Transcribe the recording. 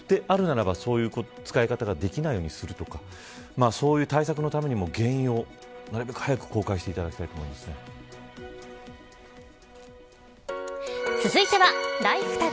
であるならば、そういう使い方ができないようにするとかそういう対策のためにも原因をなるべく早く公開して続いては、＃ＬｉｆｅＴａｇ。